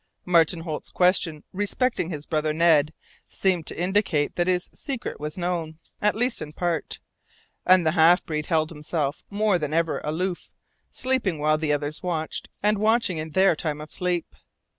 Martin Holt's questions respecting his brother Ned seemed to indicate that his secret was known at least in part, and the half breed held himself more than ever aloof, sleeping while the others watched, and watching in their time of sleep.